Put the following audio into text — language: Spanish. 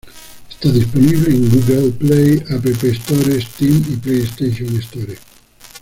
Está disponible en Google Play, App Store, Steam y PlayStation Store.